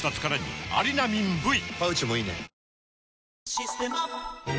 「システマ」